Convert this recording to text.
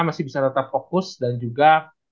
masih bisa tetap fokus dan juga